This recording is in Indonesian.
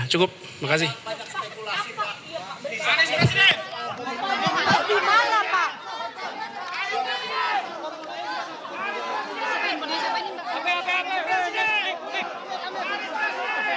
cukup terima kasih